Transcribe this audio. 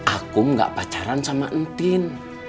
aku gak pacaran sama entin